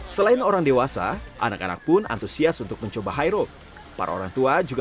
selain orang dewasa anak anak pun antusias untuk mencoba high road para orang tua juga